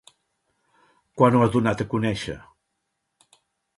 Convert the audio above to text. Quan ho ha donat a conèixer?